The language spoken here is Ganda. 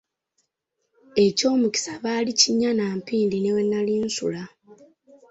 Eky'omukisa baali kinnya na mpindi ne we nnali nsula.